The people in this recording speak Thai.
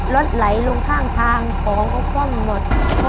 รถไหลลงข้างทางของก็ป้อมหมด